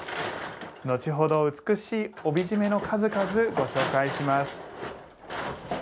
後ほど美しい帯締めの数々ご紹介します。